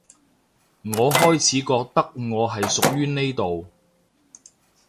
我開始覺得我係屬於呢度